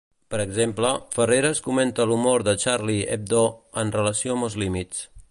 Per exemple, Ferreres comenta l'humor de Charlie Hebdo en relació amb els límits.